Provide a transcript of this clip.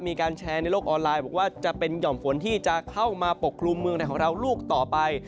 มีการแชร์ในโลกออนไลน์บอกว่าจะเป็นหย่อมฝนที่จะเข้ามาปกครุมเมืองในของเราลูกต่อไป